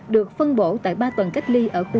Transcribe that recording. được phân bổ tại ba tuần cách ly ở khu vực